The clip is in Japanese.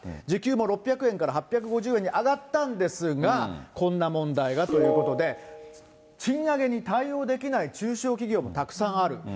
受給も６００円から８５０円に上がったんですが、こんな問題がということで、賃上げに対応できない中小企業もたくさんある。